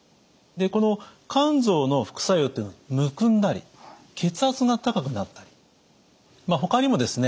この甘草の副作用っていうのがむくんだり血圧が高くなったりほかにもですね